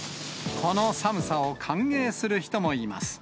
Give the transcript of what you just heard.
この寒さを歓迎する人もいます。